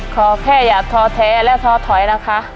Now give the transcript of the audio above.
ขอแค่อย่าท้อแท้และท้อถอยนะคะ